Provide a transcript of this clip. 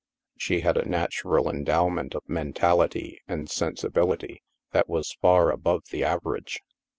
She had a natural endowment of mentality and sensibility that was far above the average.